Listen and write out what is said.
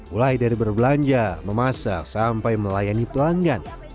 mulai dari berbelanja memasak sampai melayani pelanggan